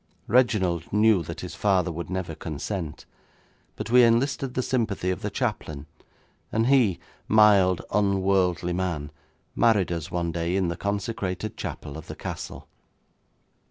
Reginald knew that his father would never consent, but we enlisted the sympathy of the chaplain, and he, mild, unworldly man, married us one day in the consecrated chapel of the castle.